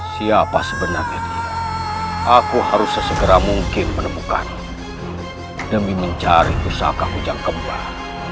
siapa sebenarnya dia aku harus sesegera mungkin menemukan demi mencari pusaka hujan kembar